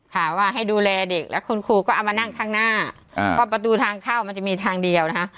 ค่ะว่าให้ดูแลเด็กแล้วคุณครูก็เอามานั่งข้างหน้าอ่าเพราะประตูทางเข้ามันจะมีทางเดียวนะคะ